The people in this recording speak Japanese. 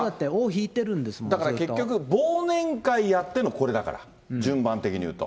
だから結局、忘年会やってのこれだから、順番的にいうと。